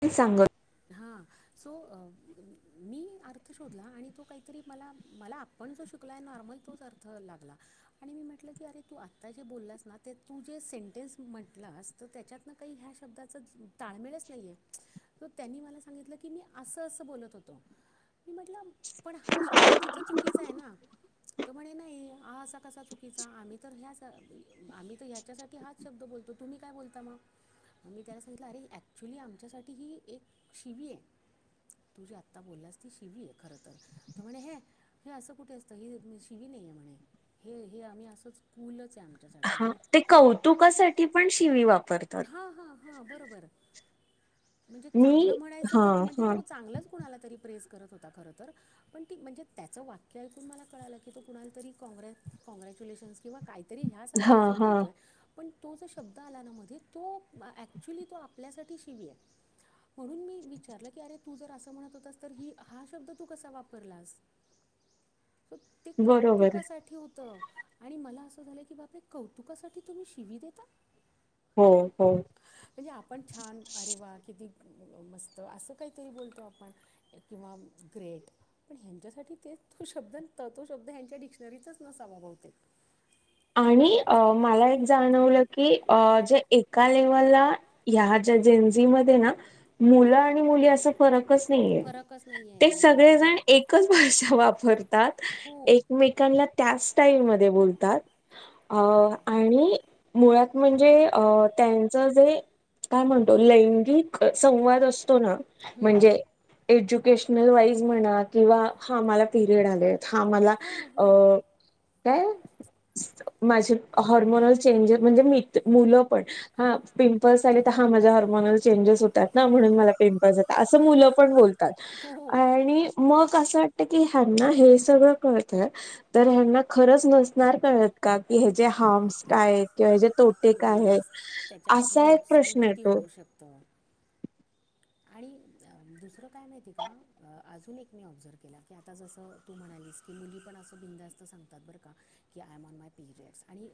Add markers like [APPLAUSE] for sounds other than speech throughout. ते सांग. हां सो अ मी अर्थ शोधला आणि तो काहीतरी मला मला आपण जो [UNINTELLIGIBLE] म्ह त्याच्यातल काही ह शब्दाचा ताळ मेळच नाही. त्यांनी मला सांगितलं की मी असं असं बोलत होतो. मी म्हटलं पण हा शब्द तिथं चुकीचा आहे ना. त म्हणे नाही हा असा कसा चुकीचा आम्ही तर ह्या आम्ही तर ह्याच्यासाठी हाच शब्द बोलो. तुम्ही काय बोलता मग मग मी त्याला सांगितलं अरे ऍक्च्युली आमच्यासाठी ही एक शिवी आहे तुझी आता बोलल्यास ती शिवी आहे खर तर तर म्हणे हे. हे असं कुठे असतं हे शिवी नाही आहेे म्हणे हे आम्ही असंच पूलच आहे आ. हा ते कौतुकासाठी पण शिवी वापरतात. [UNINTELLIGIBLE] चांगलं म्हणायचं मनजे तो चांगलंच कुणाला तरी पण प्रेस करत होता खरं तर पण ती म्हणजे त्याचं वाक्य ऐकून मला कळालं की तो कुणाला तरी काँग्रेस. काँग्रॅच्युलेशन्स किंवा का हाच अर्थच बोलतोय. पण तो जो शब्द आला ना मध्ये तो ऍक्च्युली तो आपल्यासाठी शिवी आहे. हा. म्हणून मी विचारलं की अरे तू जर असं म्हणत होतास तर ही हा शब्द तू कसा वापरलास. [UNINTELLIGIBLE] ते कौतुकासाठी होत. आणि मला असं झालं की बापे कौतुकासाठी तुम्ही शिवी देता. म्हणजे आपण छान अरे वा किती? मस्त असं काहीतरी बोलतो आपण किंवा ग्रेट पण ह्यांच्यासाठी ते तू शकतो. तो शब्द हच्या डिक्शरीचाच नसावा बहुतेक. [UNINTELLIGIBLE] आणि मला एक जाणवलं की जे एका लेवल ला या. जिनझी मध्ये ना मुलं आणि मुली अस फरकच नाहीय. ते सगळेजण एकच भाषा वापरतात एकमेकांला त्या स्टाईल मध्ये बोलतात. अ आणि मुळात म्हणजे अ त्यांचं जे काय म्हणतो लैंगिक संवाद असत. असतो ना म्हणजे एज्युकेशनल वाईज म्हणा किंवा हा मला पिरियड आले. हा मला अ काय? माझे हॉर्मोनल चेंजे म्हणजे मित मुलं पण हा. पिंपल्स आले तर हा माझ्या हॉर्मोनल चेंजेस होतात ना म्हणून मला पिंपल्स येतात असं मुलं पण बोलतात. आणि मग असं. की ह्यांना हे सगळं कळतय तर ह्यांना खरच नेसणार. का कि ह्याचे हार्म्स काय किंवा ह्याचे तोटे काय आहेत असा एक प्रश्न येतो. शकतो. [UNINTELLIGIBLE] आणि दुसरं काय माहिती आहे का अजून एक मी ऑब्झर्व केला की आता जस तू म्हणा. की मुली पण असं बिंदास्त सांगतात बरं का की I am on my periods आणि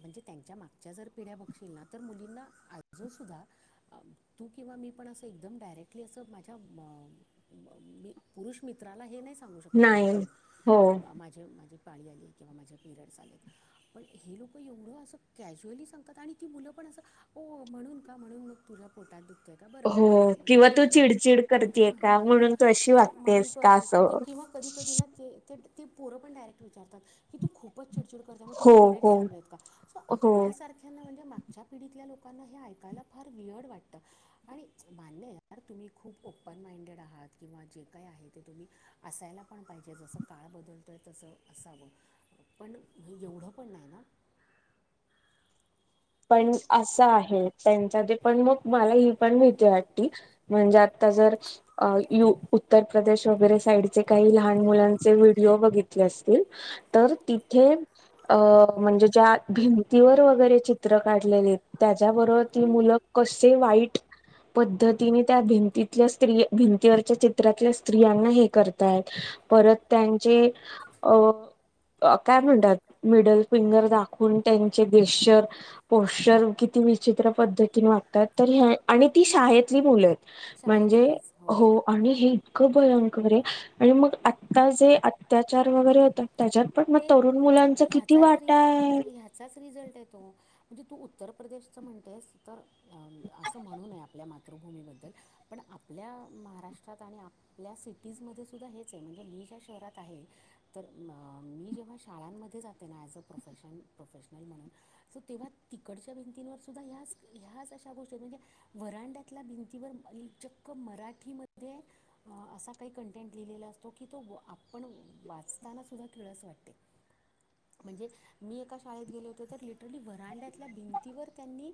म्हणजे त्यांच्या मागच्या जर पिढ्या बघशील ना तर मुलींना आजूनसुद्धा तू किंवा मी पण असं एकदम डायरेक्टली असं माझ्या पुरुष मित्राला हे नाही. सांगू शकत पटकन की मा माझे माझे. माझ्या पाळी झाली किंवा माझे पिरियड झाले पण हे लोक एवढं असं क्रायझवली सांगतात मुण म्हणून का म्हणून म बर बर हा मनजे ठीक म्हणजे म्हणून त म्हणजे कधी कधी ना ती पोरं पण डायरेक्ट विचारतात की तू खूपच, चिडचिड करते तुला पिरेड झालेत का, असं आपल्या सारख्या ना म्हणजे मागच्या, लोकांना हे ऐकायला फार वियड वाटतं. [UNINTELLIGIBLE] आणि मान्य आहे. यार तुम्ही खूप ऑप मायडे आहेत. किंवा जे काही आहे ते तुम्ही असायला, पण जसा काळ बद्दलतो आहे तस असावं, पण येवढ पण नाही ना, पण असं आहे पण त्याचा तील, पण मग मला ही पण भिती होती म्हणजे आता जर यू उत्तर प्रदेश - साईडचे काही लहान मुलाचे व्हिडओ बघितले, असतील तर तिथे- अ म्हणजे ज्या भिंतीवर वगैरेची चित्र काढलेले त्याच्याबरोबर ती मुलं कसे वाईट पद्धतीने त्या भिंतीतल्या स्त्री भिंतीवरच्या चित्रातल्या स्त्रियांना हे करताय. परत त्यांची अ - काय म्हणतात मिडल फिंगर दाखवून त्यांचे गेशअर पोस्चर किती विचित्र पद्धतीने वाटतात, तर आणि ती शाळेतली मुलं म्ह म्हणजे हो आणि हे इतकं, भयंकर आहे आणि मग आता जे अत्याचार वगैरे होतात. ते तर ह्याचाच र ह्याचाच रिझल्ट येतो. म्हणजे तू उत्तर प्रदेशचं म्हणतेस तर असं म्हणू नये आपल्या मातृभूमीबद्दल पण आपल्या महाराष्ट्रात आणि, आपल्या सिटीजमध्ये सुद्धा हेच आहे म्हणजे मी ज्या शहरात आहे. तर, [INAUDIBLE] शाळमध्ये जात ॲज प्रोेशन प्रोफेशनल म्हण तेव्हा तिकडच्या भिंतीवरा सुद्धा हे ह्याच ह्याच अशा गोष्टी म्हणजे, वरांड्यातल्या भिंतीवर चक्क मराठीमध्ये‌ - असा काही कंटेंट लिहिलेला असतो, की तो आपण वाचताना सुद्धा - ठळस वाटते. म्हणजे मी एका शाळेत गेले होते तर लिटरली वरांड्यातल्या भिंतीवर त्यांनी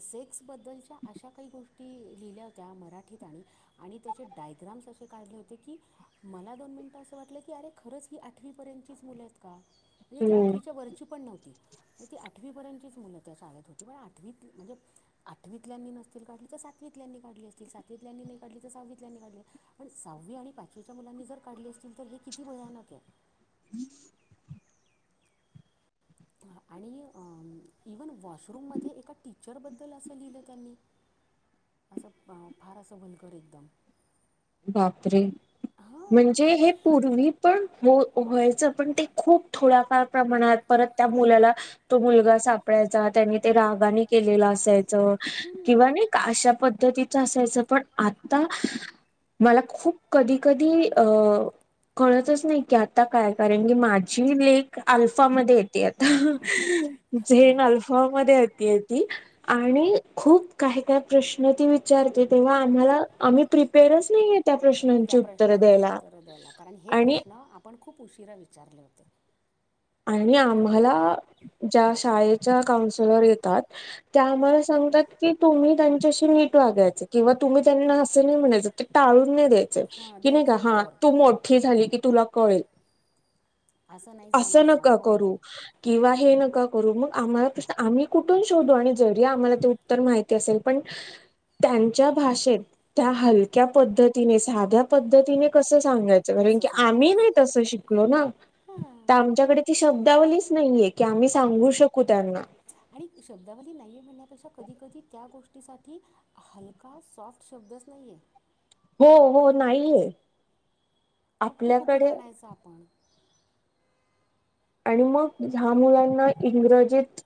सेक्सबद्दलच्या अशा काही गोष्टी लिहिल्या होत्या मराठीत आणि त्याचे डायग्राम्स असे काढले होते की मला दोन मिनिटं असं वाटले की खरंच ही, आठवीपर्यंतचीच मुलं आहेत का? म्हणजे ती आठवीच्या वरची पण नव्हती ती आठवीपर्यंतचीच - चालत होती आठत म्हणजे आठवीत नसतील काढली तर सातवीतल्यानी काढली असतील सातवीत काढली तर सहावीत काढली पण सहावी आणि, पाचवीच्या मुलांनी जर काढली असतील, तर हे किती भयानक आहे. [INAUDIBLE] आणि अ, इव्हन वॉशरूममध्ये एका टीचरबद्दल असं लिहिलं त्यांनी असं फार असं भयंकर एकदम बापरे म्हणजे हे पूर्वी पण हो व्हायचं पण ते खूप थोड्याफार प्रमाणात परत त्या, मुलाला तो मुलगा सापडायचा. त्यांनी ते रागाने केलेलं असे. किंवा नाही का अशा पद्धतीच असायचं पण आता, मला खूप कधी- कधी अ, कळतच नाही, की आता काय कारण की माझी लेख आल्फामध्ये येते आता - झेण अल्फा मध्ये ती आणि खूप का काय प्रश्न विचारते तेव्हा, आम्हाला तेव्हा आम्ही प्रिपेर - त्या प्रश्नांची उत्तर द्यायला. कारण हे प्रश्न आपण खूप उशीरा विचारले होते. आणि आम्हाला ज्या शाळेच्या काउन्सलर येतात. त्या आम्हाला सांगतात की तुम्ही त्यांच्याशी नीट - वागायचं किंवा तुम्ही त्यांनां म्हणाय ते टाळून नाही देत. कि नाही का हा तू मोठी झाली कि तुला कळेल. असं नाही. असं नका करू किंवा हे नका करू आम्हाला प्रश्न आम्ही कुठून शोधू आणि जरी आम्हाला ते उत्तर माहिती असेल पण त्यांच्या भाषेत त्या हलक्या पद्धतीने साध्या पद्धतीने कस सांगायच कारण की आम्ही नाही तसं शिकलो ना. आमच्याकडे ती शब्दावलीच नाहीये की आम्ही सांगू शकू त्यांना. तशा कधी कधी त्या गोष्टीसाठी हलका सॉफ्ट शब्दच नाहीये. हो हो नाहीये. मग तो कुठून आणायचा आपण? आणि मग ह्या मुलांना इंग्रजीत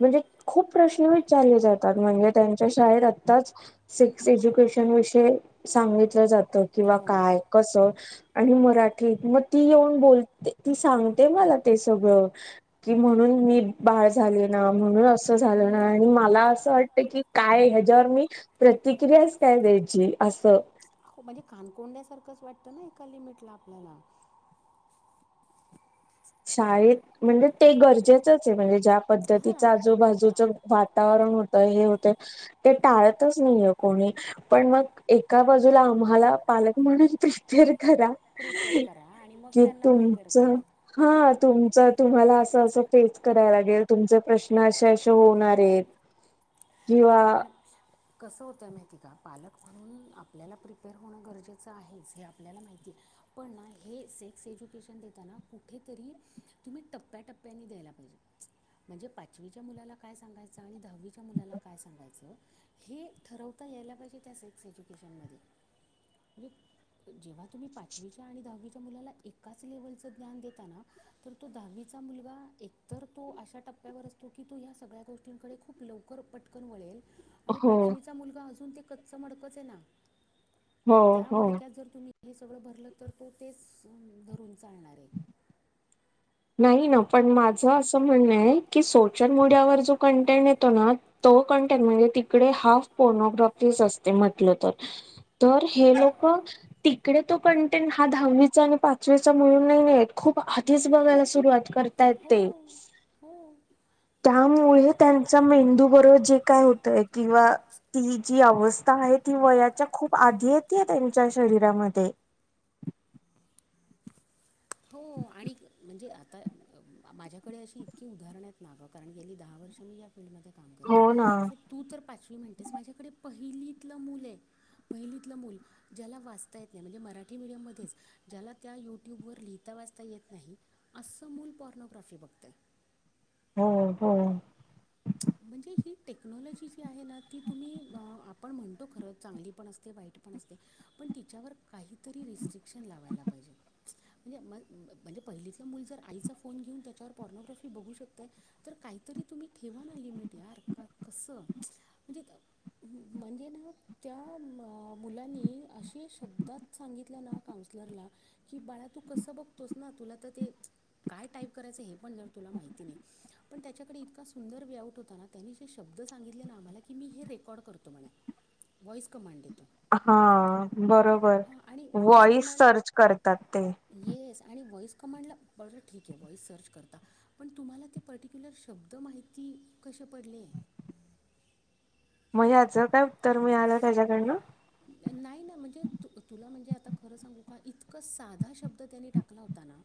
म्हणजे खप प्रश्न विचारले जातात म्हणजे त्यांच्या शाळेत आताच सेक्स एज्युकेशन शष विषय सांगितलं जात किं काय कस आणि मराठी क मग ती येऊन बोलते ती सांगते मला. ते सगळ की म्हणून मी बाळ झाले ना म्हणून अस असं झालं ना आणि मला असं वाटते की काय ह्या त्यावर मी प्रतिक्रियाच काय द्यायची अस. म्हणजे काणकोंड्या सारखंच वाटतं ना एका लिमिटला आपल्याला. शाळेत म्हणजे ते गरजेचंच आहे म्हणजे ज्या पद्धतीच आजूबाजूच वातावरण होत हे होते ते टाळतच नाहीये कोणी पण मग एका बाजू तूला आम्हाला पालक म्हणून [UNINTELLIGIBLE] प्रिपेअर करा आणि मग त्यांना प्रिपेअर करा. ह तुमच तुम्हाला असं असं फेस करायला लागेल तुमचे प्रश्न असे अशे होणारेत. [INAUDIBLE] नाही पण कसं होतंय माहिती का पालक म्हणून आपल्याला प्रिपेअर होणं गरजेचं आहेच हे आपल्याला माहिती आहे. पण ना हे सेक्स एज्युकेशन देताना कुठेतरी तुम्ही टप्प्याटप्प्यानी द्यायला पाहिजे. [UNINTELLIGIBLE] म्हणजे पाचवीच्या मुलाला काय सांगायचं आणि दहावीच्या मुलाला काय सांगायच हे ठरवता यायला पाहिजे त्या सेक्स एजुकेशन मध्ये. म्हणजे जेव्हा तुम्ही पाचवीच्या आणि दहावीच्या एकाच लेवल च ज्ञान देताना तर तो दहाविचा मुलगा एक तर तो अश्या टप्या [UNINTELLIGIBLE] असतो की तो या सगळ्या गोष्टींकडे खूप लवकर पट [UNINTELLIGIBLE] आणि पाचवीचा मुलगा अजून ते कच्च मडकच ये ना. त्या मडक्यात जर तुम्ही हे सगळं भरलं तर तो तेच धरून चालणार आहे. नाही ना पण माझ असं म्हणंन अय की सोशल मीडियावर जो कंटेंट येतो ना तो [UNINTELLIGIBLE] तिकडे हाफ पूर्ण [UNINTELLIGIBLE] टीस असते म्हटल तर तर हे लोकं तिकडे तो कंटेंट हा दहावीचा आणि पाचवीचा मिळून नाहीय खूप आधीच [UNINTELLIGIBLE] सुरुवात करतायत ते. त्यामुळे त्यांचा मेंदू बरोबर जे काय होतय किंवा ती जी अवस्था आहे. ती वयाच्या खूप आधी येतीय त्यांच्या शरीरामध्ये. [INAUDIBLE] आणि म्हणजे आता आ माझ्याकडे अशी इतकी उदाहरणं आहेत ना कां कारण गेली दहा वर्षं मी या फील्डमध्ये काम करते सो तू तर पाचवी म्हणतेस माझ्याकडे पहिलीतलं मुलं आहे. पहिलीतलं मूल ज्याला वाचता येत नाही म्हणजे मराठी मीडियममध्येच ज्याला त्या युट्यूबवर लिह ता वाचता येत नाही असं मूल पॉर्नोग्राफी बघते. हो हो म्हणजे ही टेक्नॉलॉजी जी आहे ना ती तुम्ही आपण म्हणतो खरं चांगली पण असते वाईट पण तिच्यावर काहीतरी रिस्ट्रिक्शन लावायला पाहिजे. म्हणजे, म्हण म्हणजे पहिलीच मूल जर आईचा फोन घेऊन त्याच्यावर पॉर्नोग्राफी बघू शकतंय तर, काहीतरी तुम्ही ठेवाना. [INAUDIBLE] कसं म्हणजे, म्हणजे, ना त्या मुलांनी अशी शब्दात सांगितल्या ना का की बाळा तु कसं बघतोस, ना तुला तर ते काय टाईप करायचं हे पण जर तुला माहित. पण त्यांच्याकडे इतका सुंदर होता त्यांनी जे शब्द सांगितले ना, आम्हाला की मी हे रेकॉर्ड करतो म्हणे व्हॉइस कमांडेत. हा.. बरोबर व्हॉइस सर्च करतात ते, कमाडंला बरं ठीक आहे व्हॉईस सर्च करता. पण तुम्हाला ते पर्टिक्युलर शब्द माहिती. कशी पडले. मग याच काय उत्तर मिळालं त्याच्याकडनं. नाही ना, म्हणजे तुला म्हणजे आता खरं सांगु का इतकं साधा शब्द त्यांनी टाकला होता ना.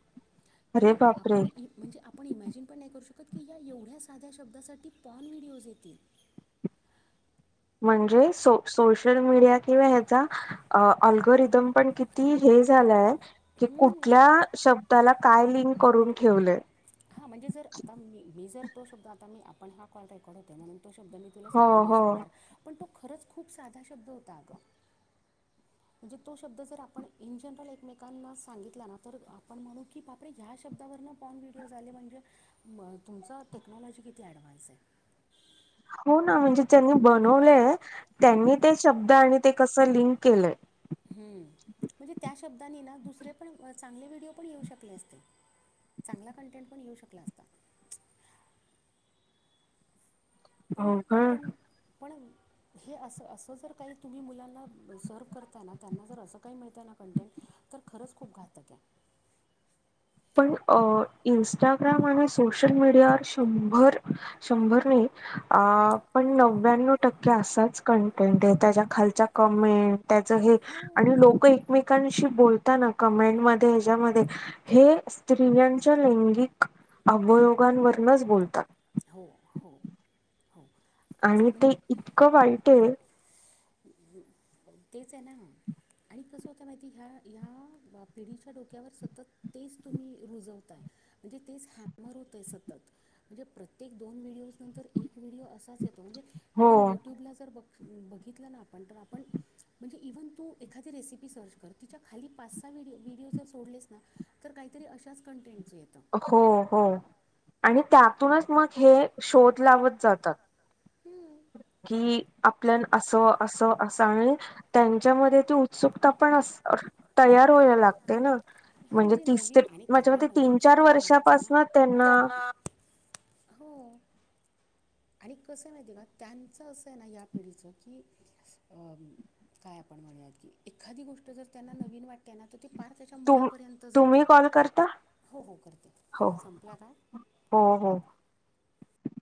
की आपण म्हणजे, आपण इमॅजिन करू शकत की एवढ्या साध्या शब्दासाठी पॉल व्हिडिओ येतील. म्हणजे, सोशल मीडिया किंवा ह्याचा अल्गोरिदम पण किती हे. झालंय, की कुठल्या शब्दाला काय लिंक करून ठेवलंय. हां म्हणजे जर आता मी, मी जर तो शब्द आता मी आप पण हा कॉल रेकॉर्ड होतंय ना, म्हणून तो शब्द मी तुला सांगू नाही शकणार पण तो खरंच खुप साधा शब्द होता अगं. म्हणजे तो शब्द जर आपण इन जनरल एकमेकांना सांगितला, ना तर आपण म्हणु की बापरे ह्या शब्दा उदाहरण पॉन व्हिडिओ झाले म्हणजे तुमच टेक्नॉलॉजी किती ऍडव्हान्स आहे. [INAUDIBLE] हो ना म्हणजे ज्यांनी बनवलंय त्यांनी ते शब्द आणि ते कसं लिंक केलंय. हं म्हणजे त्या शब्दाने ना दुसरे पण चांगले व्हिडिओ पण येऊ शकले असते. चांगला कंटेंट पण येऊ शकला असता. पण पण पण. हे असं, असं जर काही तुम्ही मुलांना सर्व करताना त्यांना जर असं काही मिळताना कंटेंट. तर खरंच खुप घातक ये. [INAUDIBLE] पण इंस्टाग्राम आणि सोशल मीडियावर शंभर, शंभर नाही. अ.. पण नव्यानो टक्के असाच कंटेंट त्याच्या खालच्या कमेंट. त्याच हे आणि लोक एकमेकांशी बोलताना कमेंट मध्ये हेच्यामध्ये. हे स्त्रियांच्या लैंगिक अवयोगांवरूनच बोलतात. हो हो. आणि ते इतकं वाईट ये. तेच आहे ना. आणि कसं होत माहिती ह्या, ह्या पिढीच्या डोक्यावर सतत तेच तुम्ही रुजवताय. म्हणजे तेच हॅमर होतय सतत म्हणजे, प्रत्येक दोन व्हिडिओ नंतर एक व्हिडिओ असाच येत तर म्हणजे इव्हन युट्यूबला जर बघ बघितलं ना आपण तर आपण, म्हणजे इव्हन तू एखादी रेसिपी सर्च कर तिच्या खाली पाच सहा व्हिडिओ जर सोडलेस ना तर काही. काहीतरी अशाच कंटेंट. हो हो. आणि त्यातूनच मग हे शोध लावत जातात. कि आपल्या असं, असं, असं आणि त्यांच्यामध्ये ती उत्सुकता पण असतं. तयार व्हायला लागते न, म्हणजे तीस ते माझ्यामध्ये तीन, हवचं‌ आहे ना त्यांना हो. [INAUDIBLE] आणि कसं माहीतीये का त्यांचं असं आहे. ना या पिढीचं की अ.. काय आपण म्हणयात की एखादी गोष्ट जर त्यांना नवीन वाटते ना तर ते फार त्याच्या मुळा तुम्ही कॉल करता. हो हो हो-